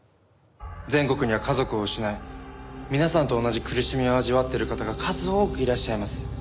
全国には家族を失い皆さんと同じ苦しみを味わってる方が数多くいらっしゃいます。